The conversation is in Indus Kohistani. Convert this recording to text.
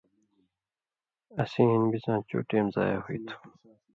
اسی ہِن بِڅاں چو ٹیم ضائع ہُوی تُھو